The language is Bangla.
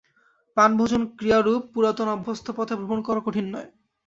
পান-ভোজন-ক্রিয়ারূপ পুরাতন অভ্যস্ত পথে ভ্রমণ করা কঠিন নয়।